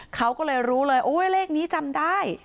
เขาก็เลยรู้เลยโอ๊ยเลขนี้จำได้